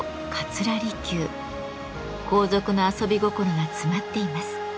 皇族の遊び心が詰まっています。